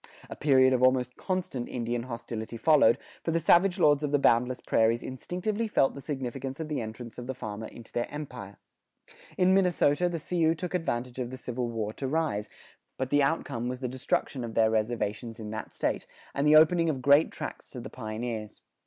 A period of almost constant Indian hostility followed, for the savage lords of the boundless prairies instinctively felt the significance of the entrance of the farmer into their empire. In Minnesota the Sioux took advantage of the Civil War to rise; but the outcome was the destruction of their reservations in that State, and the opening of great tracts to the pioneers.